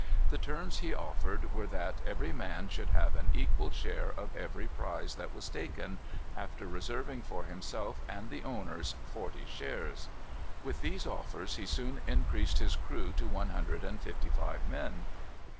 The terms he offered were that every man should have an equal share of every prize that was taken, after reserving for himself and the owners forty shares. With these offers he soon increased his crew to one hundred and fifty five men.